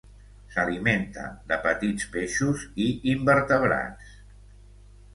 S'alimenta de petits peixos i invertebrats.